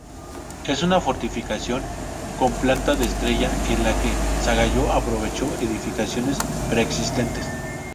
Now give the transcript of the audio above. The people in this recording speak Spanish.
Es una fortificación con planta de estrella en la que Sangallo aprovechó edificaciones preexistentes.